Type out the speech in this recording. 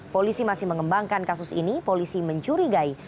polisi masih mengembangkan kasus ini polisi mencurigai